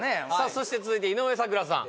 そして続いて井上咲楽さん